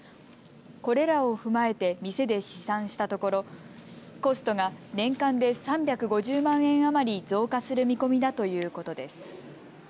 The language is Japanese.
これらを踏まえて店で試算したところコストが年間で３５０万円余り増加する見込みだということです。